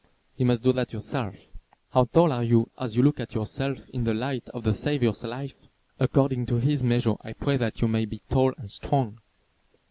You must do that yourself. How tall are you as you look at yourself in the light of the Saviour's life? According to his measure I pray that you may be tall and strong.